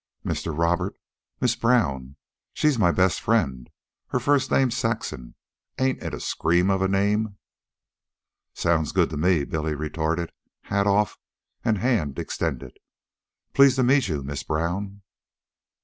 "Mr. Robert Miss Brown. She's my best friend. Her first name's Saxon. Ain't it a scream of a name?" "Sounds good to me," Billy retorted, hat off and hand extended. "Pleased to meet you, Miss Brown."